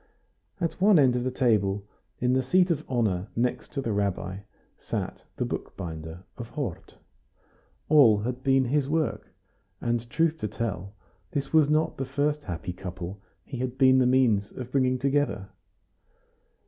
At one end of the table, in the seat of honor next to the rabbi, sat the bookbinder of Hort. All had been his work, and, truth to tell, this was not the first happy couple he had been the means of bringing together.